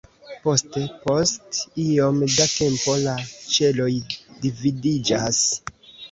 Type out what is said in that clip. Poste, post iom da tempo, la ĉeloj dividiĝas.